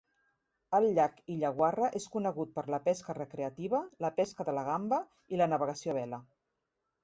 El llac Illawarra és conegut per la pesca recreativa, la pesca de la gamba y la navegació a vela.